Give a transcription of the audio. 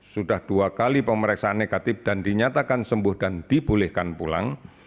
sudah dua kali pemeriksaan negatif dan dinyatakan sembuh dan dibolehkan pulang